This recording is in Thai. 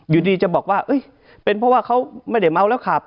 อยู่ดีจะบอกว่าเป็นเพราะว่าเขาไม่ได้เมาแล้วขับ